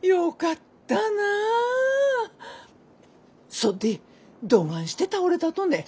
そっでどがんして倒れたとね？